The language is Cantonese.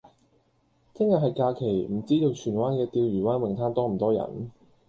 聽日係假期，唔知道荃灣嘅釣魚灣泳灘多唔多人？